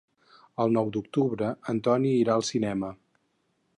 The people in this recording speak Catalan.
El nou d'octubre en Ton irà al cinema.